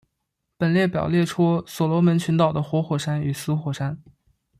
本列表列出所罗门群岛的活火山与死火山。